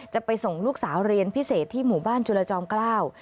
จะไปส่งลูกสาวเรียนพิเศษที่หมู่บ้านจุลจอมเกล้า